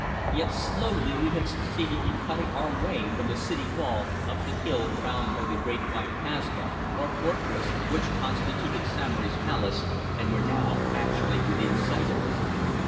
Yet slowly we had succeeded in cutting our way from the city wall up the hill crowned by the great white Kasbah, or fortress, which constituted Samory's palace, and were now actually within sight of it.